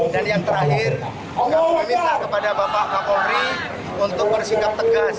dan yang terakhir kami meminta kepada bapak kapolri untuk bersikap tegas